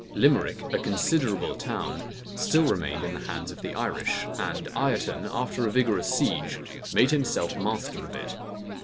Limeric, a considerable town, still remained in the hands of the Irish; and Ireton, after a vigorous siege, made himself master of it.